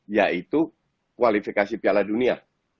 yaitu kualifikasi piala dunia